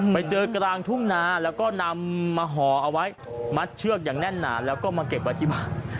ไปเจอกลางทุ่งนาแล้วก็นำมาห่อเอาไว้มัดเชือกอย่างแน่นหนาแล้วก็มาเก็บไว้ที่บ้าน